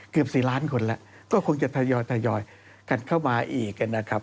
เกือบ๔ล้านคนแล้วก็คงจะทยอยกันเข้ามาอีกนะครับ